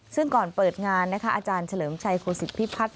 ซึ่งก่อนเปิดงานนะคะอาจารย์เฉลิมชัยโคศิกพิพัฒน์